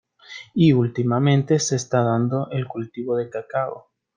Y últimamente se está dando el cultivo de cacao.